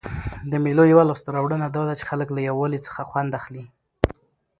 د مېلو یوه لاسته راوړنه دا ده، چي خلک له یووالي څخه خوند اخلي.